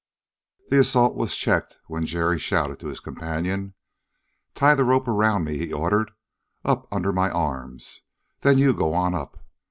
The assault was checked when Jerry shouted to his companion. "Tie the rope around me," he ordered, "up under my arms ... then you go on up.